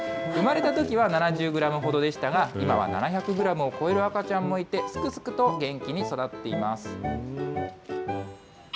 産まれたときは７０グラムほどでしたが、今は７００グラムを超える赤ちゃんもいて、すくすくと元気に育っています。